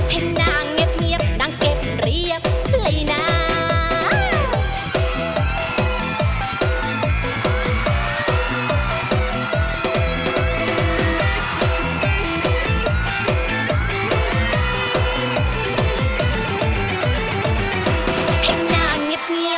ให้นางเงียบเงียบนางเก็บเรียบเลยนาง